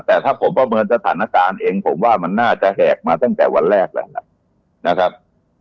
แต่ถ้าผมประเมินสถานการณ์เองผมว่ามันน่าจะแหกมาตั้งแต่วันแรกแล้วล่ะนะครับ